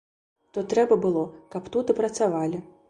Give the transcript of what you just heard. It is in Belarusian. То трэба было, каб тут і працавалі.